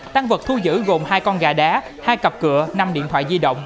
tăng vật thu giữ gồm hai con gà đá hai cặp cửa năm điện thoại di động